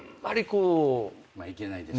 いけないですか。